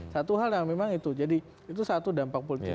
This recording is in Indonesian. satu hal yang memang itu jadi itu satu dampak politik